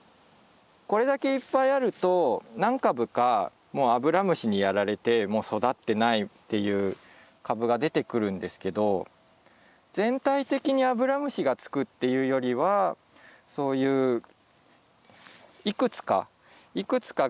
これだけいっぱいあると何株かもうアブラムシにやられてもう育ってないっていう株が出てくるんですけど全体的にアブラムシがつくっていうよりはそういういくつかいくつかが集中的に狙われてるっていう感じですね。